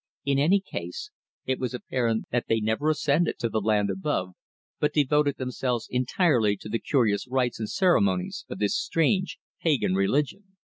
In any case it was apparent that they never ascended to the land above, but devoted themselves entirely to the curious rites and ceremonies of this strange pagan religion.